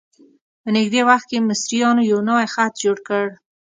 په نږدې وخت کې مصریانو یو نوی خط جوړ کړ.